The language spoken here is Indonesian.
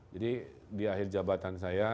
jadi di akhir jabatan saya